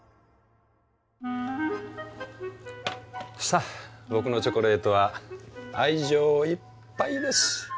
さあ僕のチョコレートは愛情いっぱいです。